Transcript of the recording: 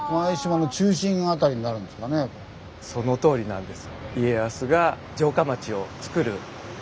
そのとおりなんです。